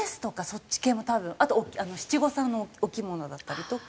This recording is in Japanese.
そっち系も多分あと七五三のお着物だったりとか。